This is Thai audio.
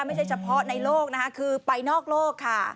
ไม่ใช่เฉพาะในโลกนะคะคือไปนอกโลกค่ะ